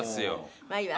まあいいわ。